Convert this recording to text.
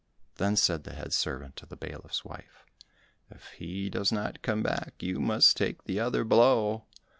Then said the head servant to the bailiff's wife, "If he does not come back, you must take the other blow."